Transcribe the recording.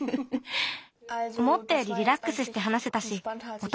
おもったよりリラックスしてはなせたしおたがいをしることもできた。